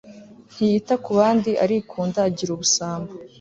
ntiyita ku bandi, arikunda, agira ubusambo